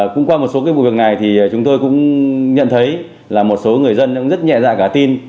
cũng qua một số cái vụ việc này thì chúng tôi cũng nhận thấy là một số người dân cũng rất nhẹ dạ cả tin